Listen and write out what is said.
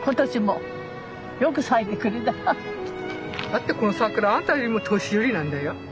だってこの桜あんたよりも年寄りなんだよ。